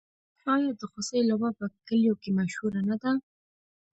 آیا د خوسي لوبه په کلیو کې مشهوره نه ده؟